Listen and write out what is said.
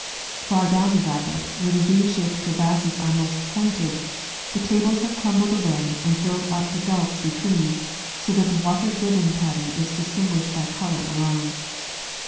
Far down the rapid where the V shajDed crevasses are most pointed, the tables ■ have crumbled away and filled up the gulfs between, so that the watered ribbon pattern is distinguished by color alone.